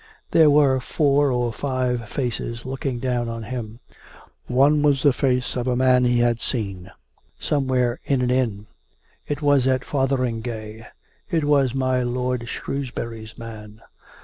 There were four or five faces looking down on him: one was the face of a man he had seen somewhere in an inn ... it was at Fotheringay; it was my lord Shrewsbury's man.